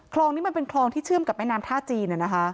คลองนี้มันเป็นคลองที่เชื่อมกับแม่น้ำท่าจีน